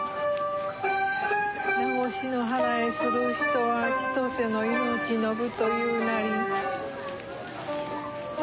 夏越の祓する人は千歳の命延ぶというなり。